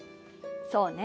そうね。